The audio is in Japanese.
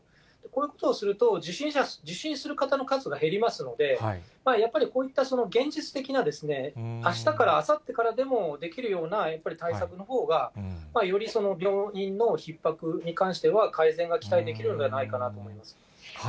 こういうことをすると、受診する方の数が減りますので、やっぱりこういった現実的な、あしたから、あさってからでもできるような対策のほうが、より病院のひっ迫に関しては、改善が期待できるんではないかなと思います。